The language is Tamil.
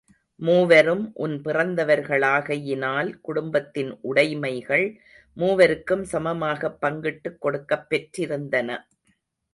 மூவரும் உடன் பிறந்தவர்களாகையினால் குடும்பத்தின் உடைமைகள் மூவருக்கும் சமமாகப் பங்கிட்டுக் கொடுக்கப் பெற்றிருந்தன.